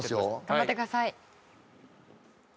頑張ってください。